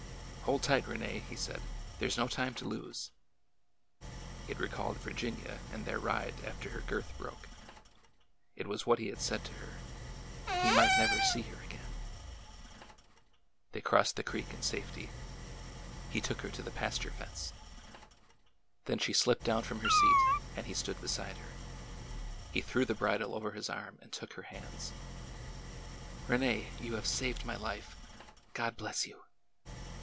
" Hold tight, Rene," he said. " There 's no time to lose." It recalled Virginia and their ride after her girth broke. It was what he had said to her. He might never see her again ! They crossed the creek in safety. He took her to the 234 ORDER NO. 11 pasture fence. Then she slipped down from her seat, and he stood beside her. He threw the bridle over his arm and took her hands. '' Rene, you have saved my life ! God bless you